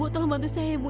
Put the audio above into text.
tolong bantu saya ya ibu